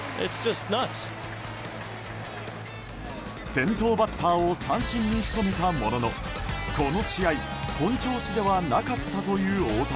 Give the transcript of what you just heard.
先頭バッターを三振に仕留めたもののこの試合本調子ではなかったという大谷。